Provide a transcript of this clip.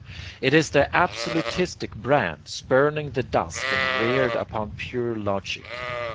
It is the absolutistic brand, spurning the dust and reared upon pure logic.